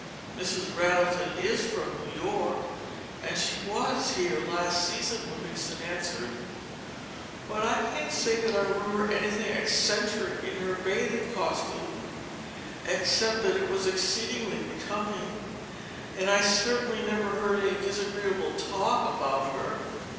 "Mrs. Rattleton is from New York, and she was here last season," Livingstone answered. "But I can't say that I remember anything eccentric in her bathing costume, except that it was exceedingly becoming; and I certainly never heard any disagreeable talk about her.